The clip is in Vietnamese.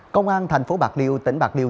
công an thành phố bạc liêu tỉnh bạc liêu